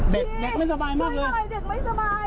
เด็กไม่สบายมากเลย